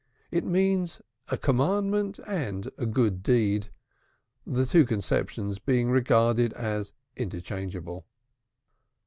It means a commandment and a good deed, the two conceptions being regarded as interchangeable.